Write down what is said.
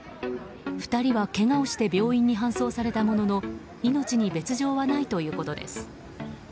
２人はけがをして病院に搬送されたものの命に別条はないということです。